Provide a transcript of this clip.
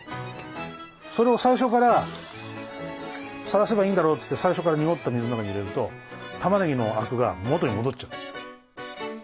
それを最初からさらせばいいんだろっつって最初から濁った水の中に入れるとたまねぎのアクが元に戻っちゃう。